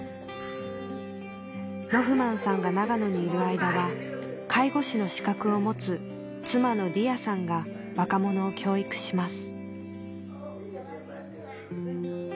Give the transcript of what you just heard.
ロフマンさんが長野にいる間は介護士の資格を持つ妻のディアさんが若者を教育します